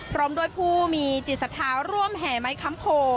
พร้อมด้วยผู้มีจิตศาสตร์ร่วมแหม้คัมโภ